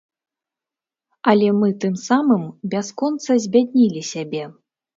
Але мы тым самым бясконца збяднілі сябе.